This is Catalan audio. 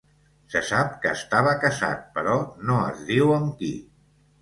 Se sap que estava casat però no es diu amb qui.